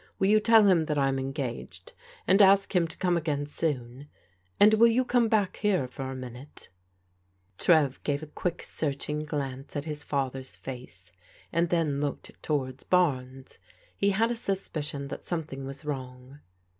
Will you tell him that I'm engaged, and ask him to come again soon — and will you come back here for a minute ?" Trev gave a quick searching glance at his father's face and then looked towards Barnes. He had a suspicion fliat something was wrong.